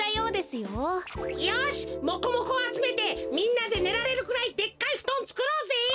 よしモコモコをあつめてみんなでねられるくらいでっかいふとんつくろうぜ！